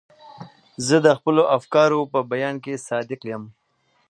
زه د خپلو افکارو په بیان کې صادق یم.